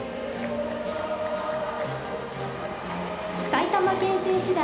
埼玉県選手団。